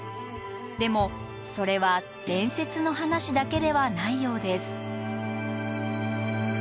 でもそれは伝説の話だけではないようです。